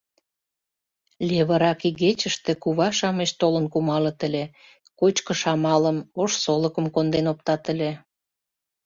Левырак игечыште кува-шамыч толын кумалыт ыле, кочкыш-амалым, ош солыкым конден оптат ыле.